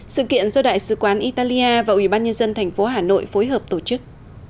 sự kiện do đại sứ quán italia và ủy ban nhân dân thành phố hà nội phối hợp tổ chức